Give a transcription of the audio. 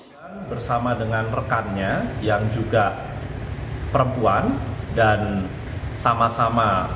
dan bersama dengan rekannya yang juga perempuan dan sama sama berusia enam belas tahun